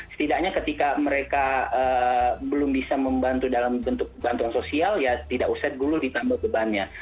setidaknya ketika mereka belum bisa membantu dalam bentuk bantuan sosial ya tidak usah dulu ditambah bebannya